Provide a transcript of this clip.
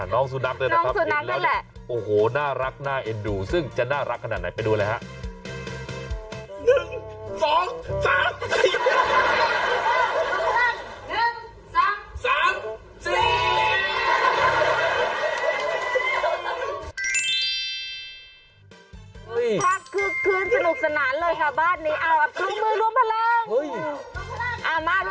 น้องสุนับเลยนะครับน่ารักน่าเอ็ดดูซึ่งจะน่ารักขนาดไหนไปดูเลยครับ